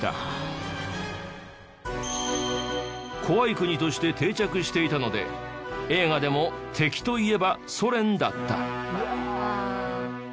怖い国として定着していたので映画でも敵といえばソ連だった。